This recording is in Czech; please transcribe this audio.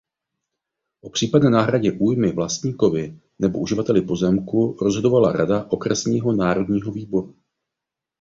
O případné náhradě újmy vlastníkovi nebo uživateli pozemku rozhodovala rada okresního národního výboru.